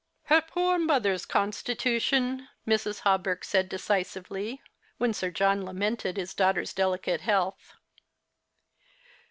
" Her poor mother's constitution," Mrs. Hawberk said decisively, when Sir John lamented his daughter's delicate health.